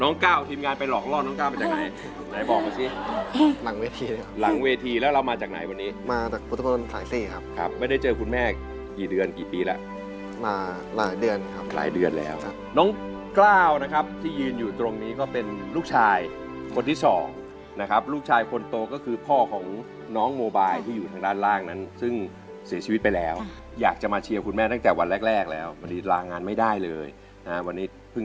น้องกล้าวที่ยืนอยู่ตรงนี้ก็เป็นลูกชายคนที่สองนะครับลูกชายคนโตก็คือพ่อของน้องโมบายที่อยู่ทางด้านล่างนั้นซึ่งน้องกล้าวที่ยืนอยู่ตรงนี้ก็เป็นลูกชายคนที่สองนะครับลูกชายคนโตก็คือพ่อของน้องโมบายที่อยู่ทางด้านล่างนั้นซึ่งน้องกล้าวที่ยืนอยู่ตรงนี้ก็เป็นลูกชายคนที่สองนะครับลูกชายคนโตก็คือ